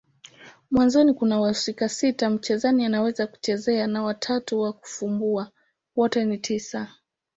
Mwanzoni kuna wahusika sita mchezaji anaweza kuchezea na watatu wa kufumbua. Wote ni tisa.